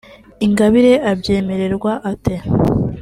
Ingabire abyemererwa ate